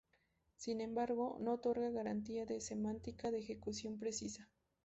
Sin embargo, no otorga garantía de semántica de ejecución precisa.